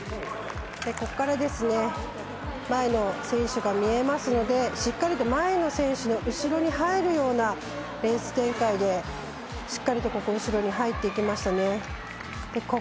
ここから前の選手が見えますのでしっかりと前の選手の後ろに入るようなレース展開でしっかりと後ろに入っていきましたね。